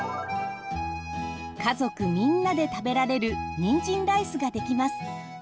家族みんなで食べられるにんじんライスができます。